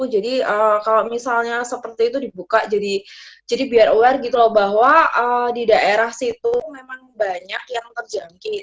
jadi kalau misalnya seperti itu dibuka jadi jadi biar awar gitu loh bahwa di daerah itu memang banyak yang terjangkit